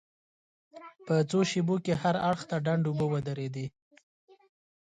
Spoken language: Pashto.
په څو شېبو کې هر اړخ ته ډنډ اوبه ودرېدې.